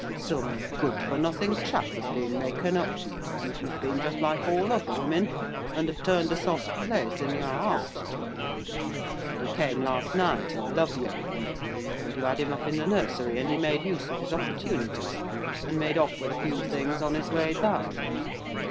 Some good for nothing chap has been making up to you, and you've been just like all other women, and have turned a soft place in your heart to him; and he came last night a lovyering, and you had him up in the nursery, and he made use of his opportunities, and made off with a few things on his way down!